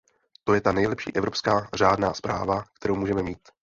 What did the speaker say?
To je ta nejlepší evropská řádná správa, kterou můžeme mít.